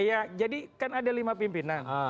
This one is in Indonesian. ya jadi kan ada lima pimpinan